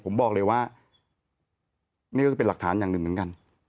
ผมบอกเลยว่านี่ก็คือเป็นหลักฐานอย่างหนึ่งเหมือนกัน